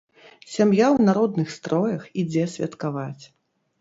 Сям'я ў народных строях ідзе святкаваць.